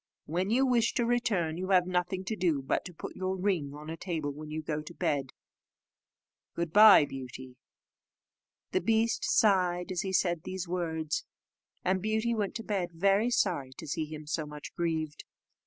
When you wish to return, you have nothing to do but to put your ring on a table when you go to bed. Good bye, Beauty!" The beast sighed as he said these words, and Beauty went to bed very sorry to see him so much grieved.